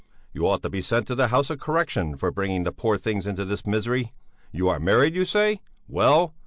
You ought to be sent to the House of Correction, for bringing the poor things into all this misery. You are married, you say? Well!